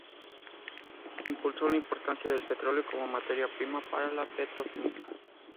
Impulsó la importancia del petróleo como materia prima para la petroquímica.